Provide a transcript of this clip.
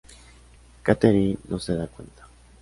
Katherine no se da cuenta.